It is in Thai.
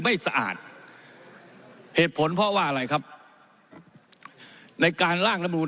ไม่สอาดเหตุผลเพราะว่าอะไรครับในการล่างรบรุน